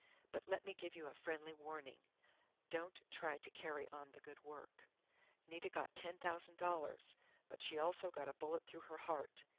"But let me give you a friendly warning. Don't try to carry on the good work. Nita got ten thousand dollars, but she also got a bullet through her heart.